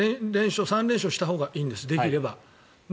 ３連勝したほうがいいんですできれば。